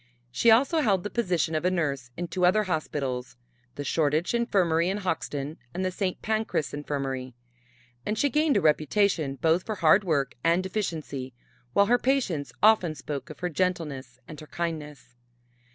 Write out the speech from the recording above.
She also held the position of a nurse in two other hospitals the Shoreditch Infirmary in Hoxton, and the St. Pancras Infirmary; and she gained a reputation both for hard work and efficiency, while her patients often spoke of her gentleness and her kindness.